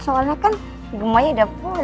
soalnya kan rumahnya udah pulang